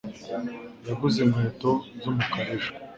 Yaguze inkweto z'umukara ejo.